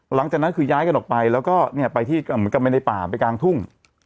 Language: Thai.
หลังจากนั้นคือย้ายกันออกไปแล้วก็ไปที่กำเมนในป่าไปกลางทุ่ง